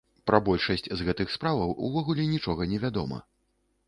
Пра большасць з гэтых справаў увогуле нічога не вядома.